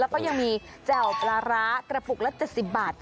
แล้วก็ยังมีแจ่วปลาร้ากระปุกละ๗๐บาท